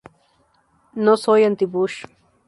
No soy anti-Bush.